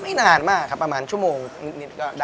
นานมากครับประมาณชั่วโมงนิดก็